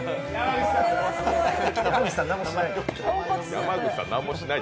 山口さん、何もしない。